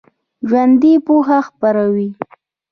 ژوندي پوهه خپروي